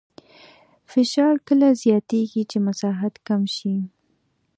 فشار کله زیاتېږي چې مساحت کم شي.